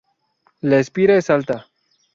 La espira es alta.